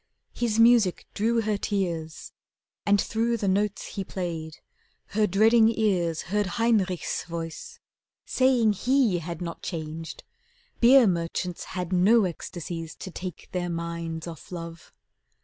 His music drew her tears, And through the notes he played, her dreading ears Heard Heinrich's voice, saying he had not changed; Beer merchants had no ecstasies to take Their minds off love.